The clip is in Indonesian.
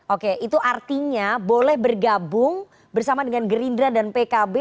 oke itu artinya boleh bergabung bersama dengan gerindra dan pkb